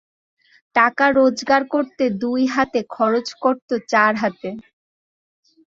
টাকা রোজগার করতো দুই হাতে, খরচ করতো চার হাতে।